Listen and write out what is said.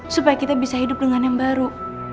supaya kita bisa hidup dengan yang baru